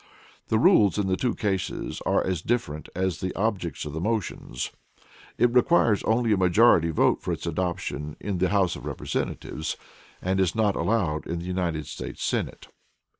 The rules in the two cases are as different as the objects of the motions. It requires only a majority vote for its adoption in the House of Representatives, and is not allowed in the United States Senate.